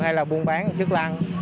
hay là buôn bán trước lăng